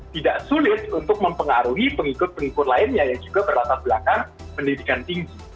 tidak sulit untuk mempengaruhi pengikut pengikut lainnya yang juga berlatar belakang pendidikan tinggi